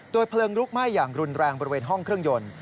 เพลิงลุกไหม้อย่างรุนแรงบริเวณห้องเครื่องยนต์